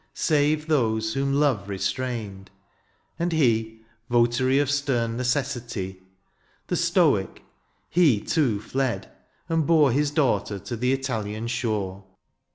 Save those whom love restrained : and he, Votary of stem necessity — 60 DIONYSIUS, The stoic — ^he too fled, and bore His daughter to the Italian shore.